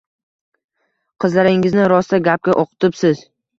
-Qizlaringizni rosa gapga o’qitibsiz.